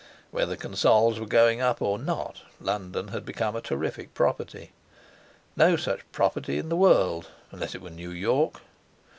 Whether Consols were going up or not, London had become a terrific property. No such property in the world, unless it were New York!